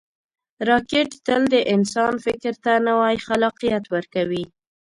راکټ تل د انسان فکر ته نوی خلاقیت ورکوي